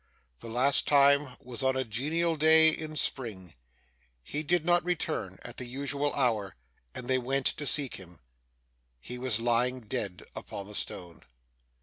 The last time was on a genial day in spring. He did not return at the usual hour, and they went to seek him. He was lying dead upon the stone.